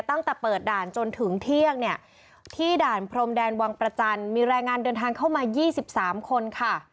ตั้งแต่เปิดด่านจนถึงเที่ยงเนี่ยที่ด่านพรมแดนวังประจันทร์มีแรงงานเดินทางเข้ามา๒๓คนค่ะ